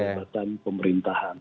di jabatan pemerintahan